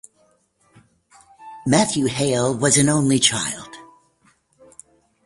Matthew Hale was an only child.